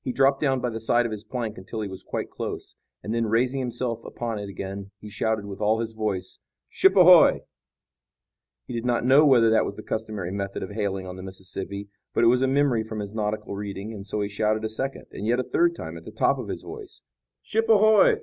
He dropped down by the side of his plank until he was quite close, and then, raising himself upon it again, he shouted with all his voice: "Ship ahoy!" He did not know whether that was the customary method of hailing on the Mississippi, but it was a memory from his nautical reading, and so he shouted a second and yet a third time at the top of his voice: "Ship ahoy!"